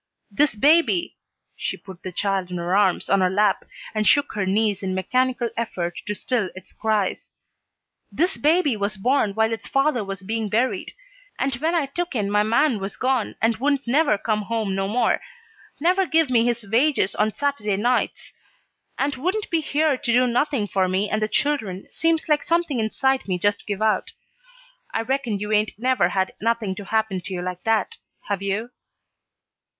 This baby," she put the child in her arms on her lap and shook her knees in mechanical effort to still its cries, "this baby was born while its father was being buried, and when I took in my man was gone and wouldn't never come home no more, never give me his wages on Saturday nights, and wouldn't be here to do nothing for me and the children, seems like something inside me just give out. I reckon you 'ain't never had nothing to happen to you like that, have you?"